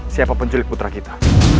siapa penculik putra kita